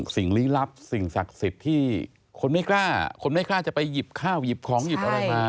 สิ่งลี้ลับสิ่งศักดิ์สิทธิ์ที่คนไม่กล้าคนไม่กล้าจะไปหยิบข้าวหยิบของหยิบอะไรมา